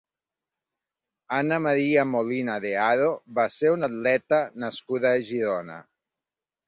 Anna Maria Molina de Haro va ser una atleta nascuda a Girona.